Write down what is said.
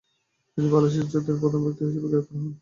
তিনি বালাসোর ইঞ্চুদির প্রধান ব্যক্তি হিসাবে গ্রেপ্তার হন।